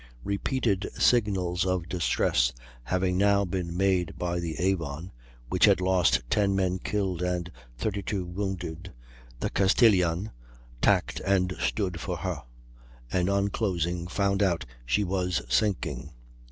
Repeated signals of distress having now been made by the Avon (which had lost 10 men killed and 32 wounded), the Castilian tacked and stood for her, and on closing found out she was sinking.